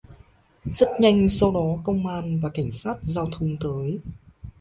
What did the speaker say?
Rất nhanh sau đó công an và cảnh sát giao thông tới